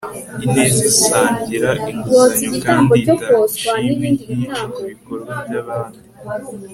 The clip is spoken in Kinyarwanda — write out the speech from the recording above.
ineza isangira inguzanyo kandi itanga ishimwe ryinshi kubikorwa byabandi